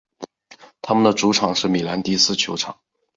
他们的主场是米兰迪斯球场。